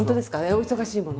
お忙しいものね。